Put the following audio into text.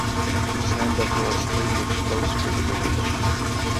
It was named after a stream which flows through the village.